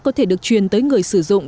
có thể được truyền tới người sử dụng